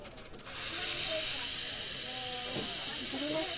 握りまして